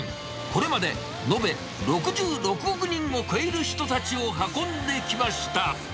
これまで延べ６６億人を超える人たちを運んできました。